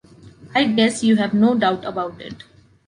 I guess you have no doubt about it.